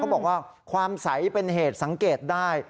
บอกว่าความใสเป็นเหตุสังเกตได้